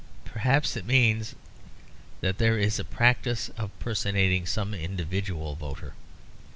Perhaps it means that there is a practice of personating some individual voter.